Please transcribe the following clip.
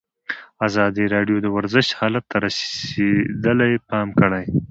ازادي راډیو د ورزش حالت ته رسېدلي پام کړی.